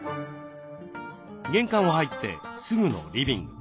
玄関を入ってすぐのリビング。